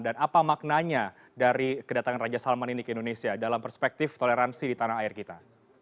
dan apa maknanya dari kedatangan raja salman ini ke indonesia dalam perspektif toleransi di tanah air kita